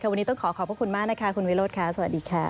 วันนี้ต้องขอขอบพระคุณมากคุณวิโรธสวัสดีครับ